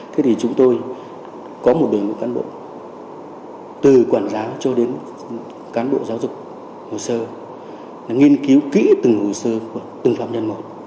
thế thì chúng tôi có một đội ngũ cán bộ từ quản giáo cho đến cán bộ giáo dục hồ sơ nghiên cứu kỹ từng hồ sơ của từng phạm nhân một